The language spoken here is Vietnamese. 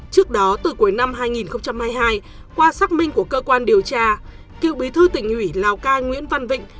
trước đó từ cuối năm hai nghìn hai mươi hai qua xác minh của cơ quan điều tra cựu bí thư tỉnh ủy lào cai nguyễn văn vịnh